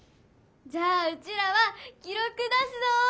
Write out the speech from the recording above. じゃあうちらは記ろく出すぞ！